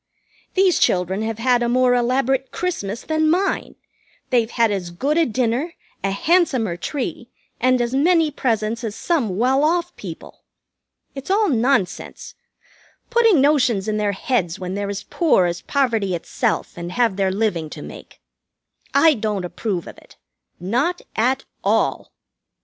These children have had a more elaborate Christmas than mine. They've had as good a dinner, a handsomer tree, and as many presents as some well off people. It's all nonsense, putting notions in their heads when they're as poor as poverty itself and have their living to make. I don't approve of it. Not at all."